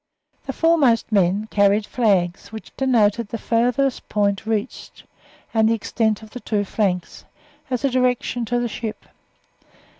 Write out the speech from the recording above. The foremost men carried flags, which denoted the farthest point reached and the extent of the two flanks, as a direction to the ship.